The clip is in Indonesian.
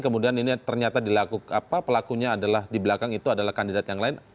kemudian ini ternyata pelakunya adalah di belakang itu adalah kandidat yang lain